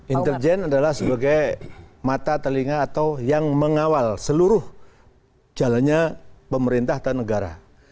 intelijen adalah sebagai mata telinga atau yang mengawal seluruh jalannya pemerintah dan negara